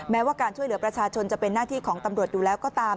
แม้ว่าการช่วยเหลือประชาชนจะเป็นหน้าที่ของตำรวจอยู่แล้วก็ตาม